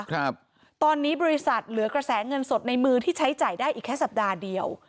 ครับตอนนี้บริษัทเหลือกระแสเงินสดในมือที่ใช้จ่ายได้อีกแค่สัปดาห์เดียว